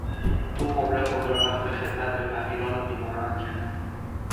او عمر خود را وقف خدمت به فقیران و بیماران کرد.